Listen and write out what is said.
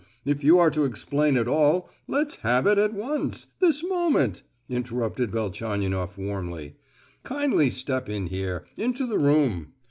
If you are to explain at all let's have it at once; this moment!" interrupted Velchaninoff warmly. "Kindly step in here, into the room!